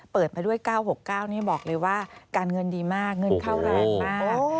เปิดมาด้วย๙๖๙นี่บอกเลยว่าการเงินดีมากเงินเข้าแรงมาก